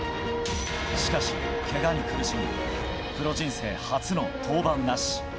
しかし、けがに苦しみプロ人生初の登板なし。